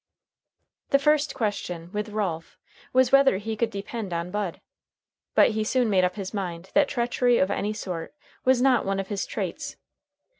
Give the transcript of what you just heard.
The first question with Ralph was whether he could depend on Bud. But he soon made up his mind that treachery of any sort was not one of his traits.